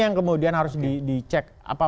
yang kemudian harus dicek apa